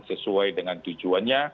sesuai dengan tujuannya